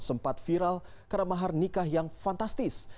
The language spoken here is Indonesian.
sempat viral karena mahar nikah yang fantastis